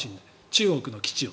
中国の基地を。